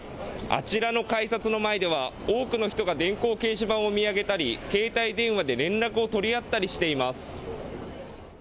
あちらの改札の前では多くの人が電光掲示板を見上げたり携帯電話で連絡を取り合ったりしています。